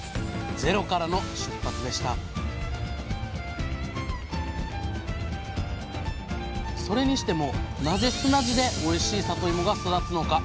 ゼロからの出発でしたそれにしてもなぜ砂地でおいしいさといもが育つのか？